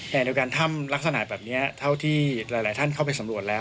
ขณะเดียวกันถ้ำลักษณะแบบนี้เท่าที่หลายท่านเข้าไปสำรวจแล้ว